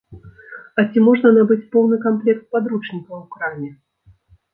А ці можна набыць поўны камплект падручнікаў у краме?